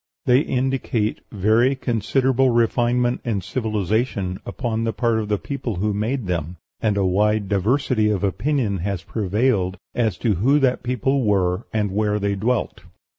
They indicate very considerable refinement and civilization upon the part of the people who made them; and a wide diversity of opinion has prevailed as to who that people were and where they dwelt.